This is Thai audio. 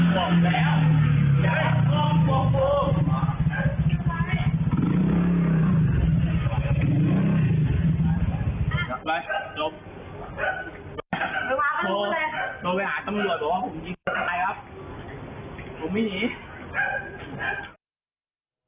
โทรไปอ่านตำลูกบอกว่าผมยิงใครครับผมไม่หนี